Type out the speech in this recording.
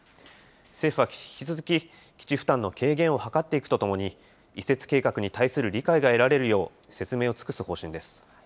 政府は引き続き基地負担の軽減を図っていくとともに、移設計画に対する理解が得られるよう、説明を尽くす方針です。